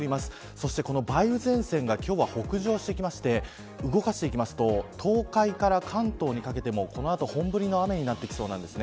そして梅雨前線が北上してきまして動かしていきますと、東海から関東にかけても、この後本降りの雨になってきそうです。